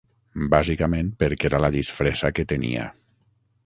Bàsicament, perquè era la disfressa que tenia.